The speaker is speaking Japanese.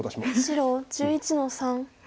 白１１の三。